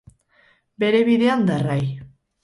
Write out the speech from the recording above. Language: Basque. Bere bidean darrai.